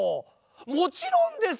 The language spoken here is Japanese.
もちろんですよ！